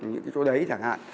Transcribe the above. những cái chỗ đấy thẳng hạn